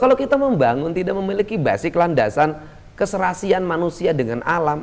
kalau kita membangun tidak memiliki basic landasan keserasian manusia dengan alam